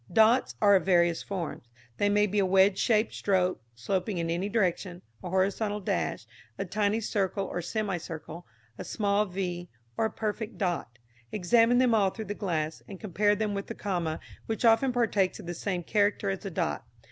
Dots are of various forms. They may be a wedge shaped stroke sloping in any direction, a horizontal dash, a tiny circle or semicircle, a small v, or a perfect dot. Examine them all through the glass, and compare them with the comma, which often partakes of the same character as the dot.